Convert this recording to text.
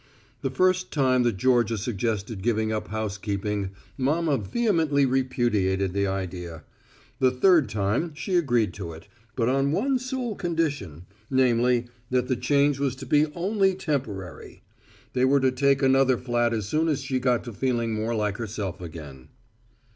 The first time that Georgia suggested giving up housekeeping, mama vehemently repudiated the idea. The third time she agreed to it, but on one sole condition, namely, that the change was to be only temporary. They were to take another flat as soon as she got to feeling more like herself again.